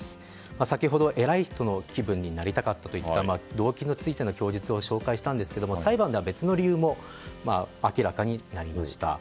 先ほど、偉い人の気分になりたかったといった動機についての供述を紹介したんですが裁判では別の理由も明らかになりました。